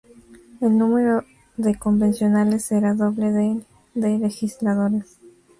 El número de convencionales será doble del de Legisladores.